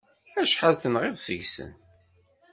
Acḥal tenɣiḍ seg-sen?